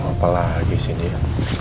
apa lagi sih dia